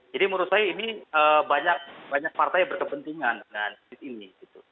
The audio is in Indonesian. jadi menurut saya ini banyak partai berkepentingan dengan ini